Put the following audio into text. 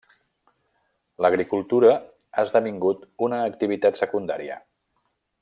L'agricultura ha esdevingut una activitat secundària.